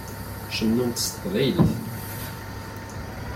Cennunt s teqbaylit.